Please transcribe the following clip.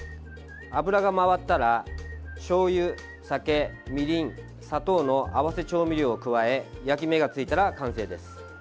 油が回ったら、しょうゆ、酒みりん、砂糖の合わせ調味料を加え焼き目がついたら完成です。